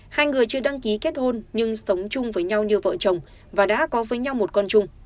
hai người chưa đăng ký kết hôn nhưng sống chung với nhau như vợ chồng và đã có với nhau một con chung